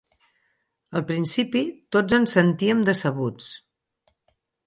Al principi, tots ens sentíem decebuts